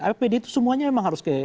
apd itu semuanya memang harus ke